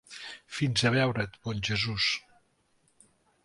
Fins a veure't, bon Jesús.